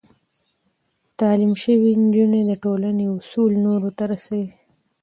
تعليم شوې نجونې د ټولنې اصول نورو ته رسوي.